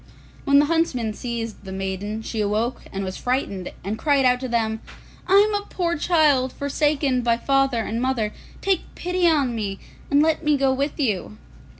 When the huntsmen seized the maiden, she awoke and was frightened, and cried out to them, 'I am a poor child, forsaken by father and mother; take pity on me, and let me go with you.